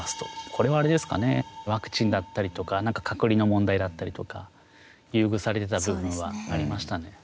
これはあれですかね、ワクチンだったりとか、隔離の問題だったりとか、優遇されてた部分はありましたね。